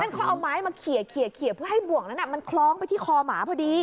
เขาเอาไม้มาเขียเพื่อให้บ่วงนั้นมันคล้องไปที่คอหมาพอดี